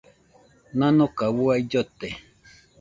Nanoka uai llote.